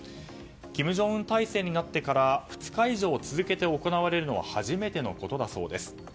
金正恩体制になってから２日以上続けて行われるのは初めてのことだそうです。